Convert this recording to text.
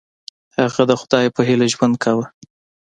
هغه د خدای په هیله ژوند کاوه.